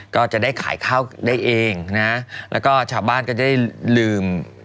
ก็จะได้ขายข้าวได้เองนะแล้วก็ชาวบ้านก็จะลืม